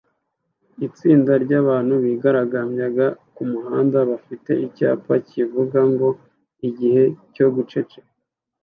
Itsinda ryabantu bigaragambyaga kumuhanda bafite icyapa kivuga ngo "igihe cyo guceceka"